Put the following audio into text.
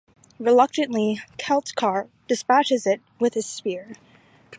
Reluctantly, Celtchar dispatches it with his spear.